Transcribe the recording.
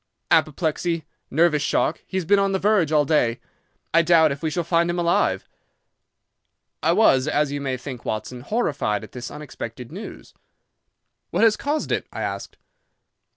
"'Apoplexy. Nervous shock, He's been on the verge all day. I doubt if we shall find him alive.' "I was, as you may think, Watson, horrified at this unexpected news. "'What has caused it?' I asked.